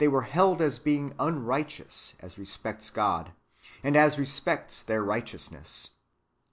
411 they held as being unrighteous as respects God, and as respects their neighbours.